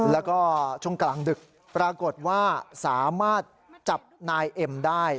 แล้วก็ช่วงกลางดึกปรากฏว่าสามารถจับนายเอ็มได้